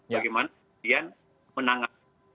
bagaimana kemudian menangani